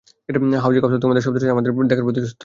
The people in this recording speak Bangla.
হাউজে কাউসার তোমাদের সাথে আমার দেখার প্রতিশ্রুত স্থান।